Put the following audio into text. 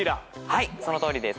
はいそのとおりです。